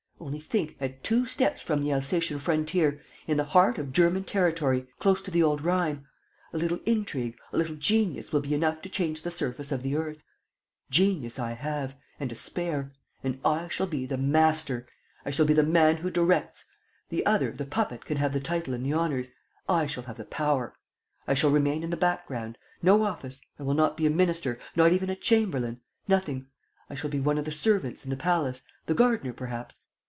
... Only think, at two steps from the Alsatian frontier! In the heart of German territory! Close to the old Rhine! ... A little intrigue, a little genius will be enough to change the surface of the earth. Genius I have ... and to spare. ... And I shall be the master! I shall be the man who directs. The other, the puppet can have the title and the honors. ... I shall have the power! ... I shall remain in the background. No office: I will not be a minister, nor even a chamberlain. Nothing. I shall be one of the servants in the palace, the gardener perhaps.